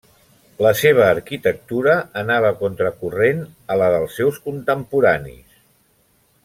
La seva arquitectura anava contra corrent a la dels seus contemporanis.